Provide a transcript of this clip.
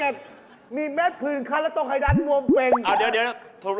โปรดอะไรล่ะเจ๊แล้วไม่ได้มองอยู่ร้านเลยอ่ะ